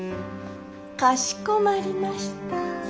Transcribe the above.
かしこまりました。